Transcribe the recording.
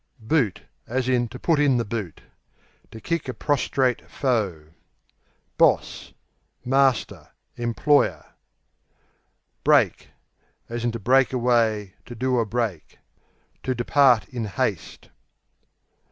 Boot, to put in the To kick a prostrate foe. Boss Master, employer. Break (to break away, to do a break) To depart in haste.